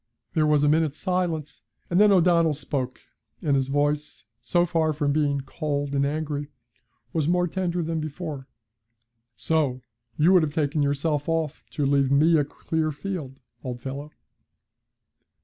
There was a minute's silence, and then O'Donnell spoke, and his voice, so far from being cold and angry, was more tender than before. 'So you would have taken yourself off to leave me a clear field, old fellow!'